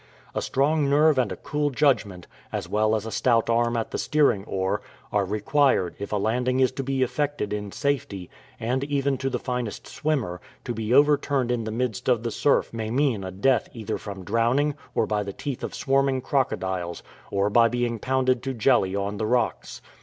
A strong nerve and a cool judgment, as well as a stout arm at the steering oar, are required if a landing is to be effected in safety ; and even to the finest swimmer, to be overturned in the midst of the surf may mean a death either from drowning, or by the teeth of swarming crocodiles, or by being pounded to jelly on the rocks.